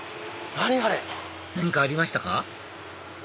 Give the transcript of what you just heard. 何かありましたか？